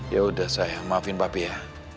yaudah sayang maafin papi ya